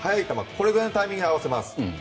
これくらいのタイミングで合わせます。